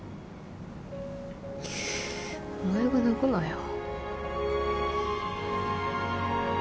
お前が泣くなよ。